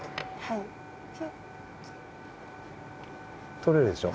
とれるでしょう。